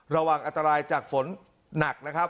ระวังอันตรายจากฝนหนักนะครับ